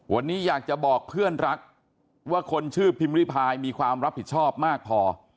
วันนี้อยากจะบอกเพื่อนรักว่าคนชื่อพิมริพายมีความรับผิดชอบมากพอ